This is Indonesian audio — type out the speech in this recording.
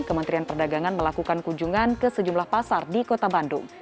kementerian perdagangan melakukan kunjungan ke sejumlah pasar di kota bandung